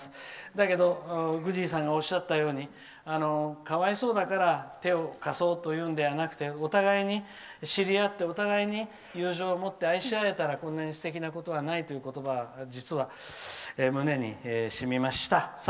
だけど、グジーさんがおっしゃったようにかわいそうだから手を貸そうというのではなくてお互いに知り合ってお互いに友情を持って愛し合えたら、こんなにすてきなことはないという言葉が実に胸に染みました。